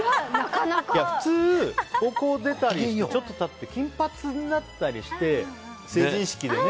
普通、高校出てちょっと経って金髪になってたりして成人式でね